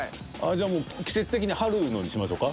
じゃあもう季節的に「春の」にしましょか。